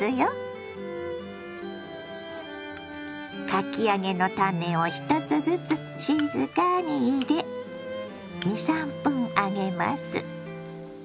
かき揚げのタネを１つずつ静かに入れ２３分揚げます。